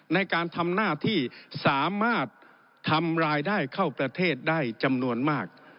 ในการทำหน้าที่สามารถทำรายได้เข้าประเทศได้จำนวนมาก